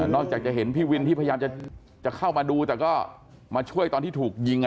อกจากจะเห็นพี่วินที่พยายามจะเข้ามาดูแต่ก็มาช่วยตอนที่ถูกยิง